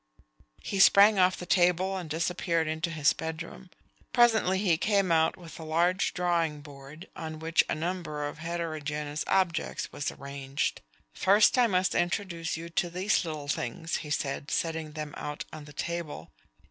He sprang off the table and disappeared into his bedroom. Presently he came out with a large drawing board on which a number of heterogeneous objects was ranged. "First I must introduce you to these little things," he said, setting them out on the table.